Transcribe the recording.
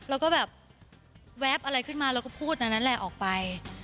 และแบบอะไรขึ้นมาพูดนั้นแหละนั้นแหละออกไป